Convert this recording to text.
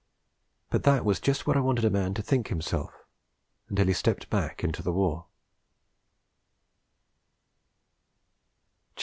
But that was just where I wanted a man to think himself until he stepped back into the War.